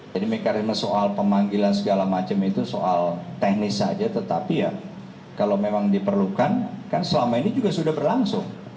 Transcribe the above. jadi mekarisme soal pemanggilan segala macem itu soal teknis saja tetapi ya kalau memang diperlukan kan selama ini juga sudah berlangsung